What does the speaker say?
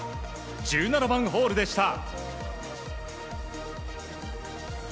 １７番ホールでした。